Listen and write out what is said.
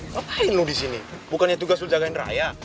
ngapain lo disini bukannya tugas lo jagain raya